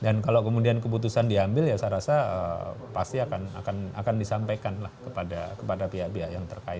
dan kalau kemudian keputusan diambil ya saya rasa pasti akan disampaikan kepada pihak pihak yang terkait